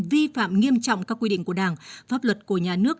vi phạm nghiêm trọng các quy định của đảng pháp luật của nhà nước